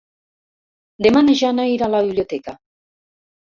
Demà na Jana irà a la biblioteca.